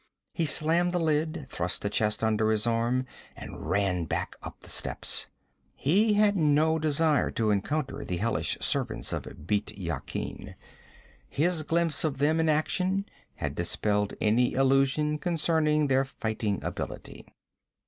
He slammed the lid, thrust the chest under his arm, and ran back up the steps. He had no desire to encounter the hellish servants of Bît Yakin. His glimpse of them in action had dispelled any illusion concerning their fighting ability.